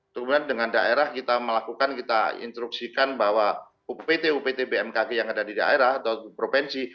kemudian dengan daerah kita melakukan kita instruksikan bahwa upt upt bmkg yang ada di daerah atau provinsi